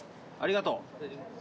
ありがとう。